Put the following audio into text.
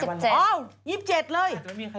๒๗อ้าว๒๗เลย